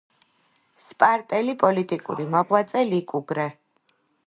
სპარტელი პოლიტიკური მოღვაწე ლიკუგრე